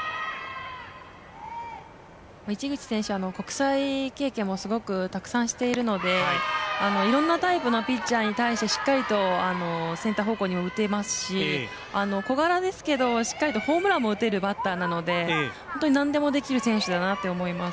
市口選手、国際経験もたくさんしているのでいろんなタイプのピッチャーに対してしっかりとセンター方向にも打てますし小柄ですけどしっかりとホームランも打てるバッターなので本当になんでもできる選手だなと思います。